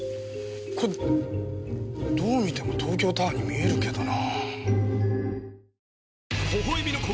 これどう見ても東京タワーに見えるけどなぁ。